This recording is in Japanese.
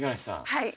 はい。